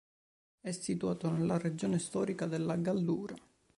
È situato nella regione storica della Gallura.